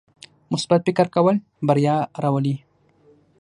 مثبت فکر کول بریا راولي.